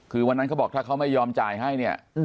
คือวันนั้นเขาบอกถ้าเขาไม่ยอมจ่ายให้เนี่ย